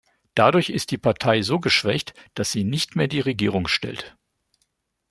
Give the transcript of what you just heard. Dadurch ist die Partei so geschwächt, dass sie nicht mehr die Regierung stellt.